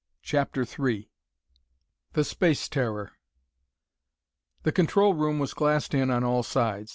CHAPTER III The Space Terror The control room was glassed in on all sides.